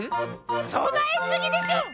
そなえすぎでしょ！